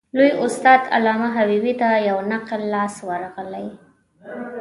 لوی استاد علامه حبیبي ته یو نقل لاس ورغلی.